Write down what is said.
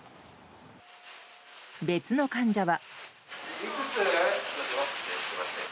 別の患者は。